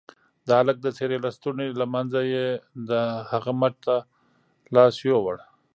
د هلك د څيرې لستوڼي له منځه يې د هغه مټ ته لاس يووړ.